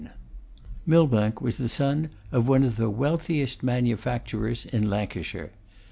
Millbank was the son of one of the wealthiest manufacturers in Lancashire.